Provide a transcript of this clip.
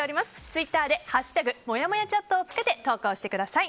ツイッターで「＃もやもやチャット」をつけて投稿してください。